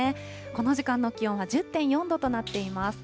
この時間の気温は１０．４度となっています。